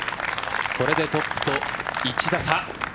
これでトップと１打差。